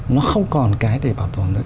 nó không còn cái để bảo tồn được